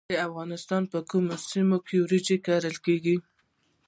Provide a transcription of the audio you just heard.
د افغانستان په کومو سیمو کې وریجې کرل کیږي؟